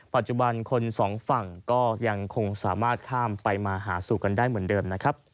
คนสองฝั่งก็ยังคงสามารถข้ามไปมาหาสู่กันได้เหมือนเดิมนะครับ